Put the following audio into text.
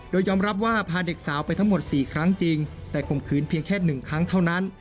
โดยยอมรับว่าพาเด็กสาวไปทั้งหมด๔ครั้งจริงแต่ข่มขืนเพียงแค่๑ครั้งเท่านั้น